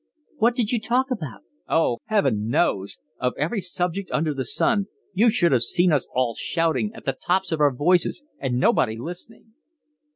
"What did you talk about?" "Heaven knows! Of every subject under the sun. You should have seen us all shouting at the tops of our voices and nobody listening."